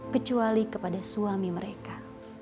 kecuali kepada suami mereka